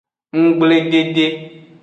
Nggbledede.